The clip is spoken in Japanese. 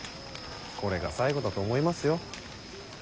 これが最後だと思いますよ。